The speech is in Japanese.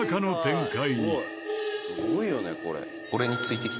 すごいよねこれ。